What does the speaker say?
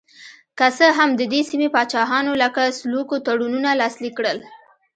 که څه هم د دې سیمې پاچاهانو لکه سلوکو تړونونه لاسلیک کړل.